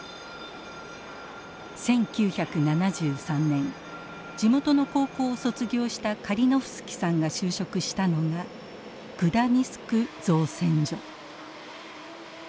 １９７３年地元の高校を卒業したカリノフスキさんが就職したのがグダニスク造船所。